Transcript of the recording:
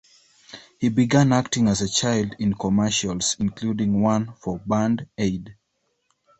He began acting as a child in commercials, including one for Band-Aid.